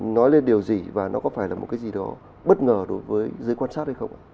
nói lên điều gì và nó có phải là một cái gì đó bất ngờ đối với giới quan sát hay không ạ